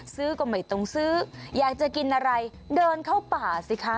ก็ไม่ต้องซื้ออยากจะกินอะไรเดินเข้าป่าสิคะ